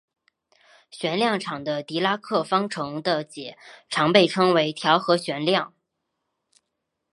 旋量场的狄拉克方程的解常被称为调和旋量。